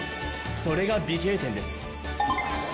それが美型点です。